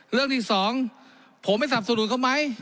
เรื่องที่สองผมไม่สนับสนุนเขาไหม